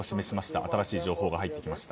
新しい情報が入ってきました。